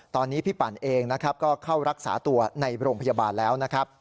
ตอนนี้พี่ปั่นเองก็เข้ารักษาตัวในโรงพยาบาลแล้ว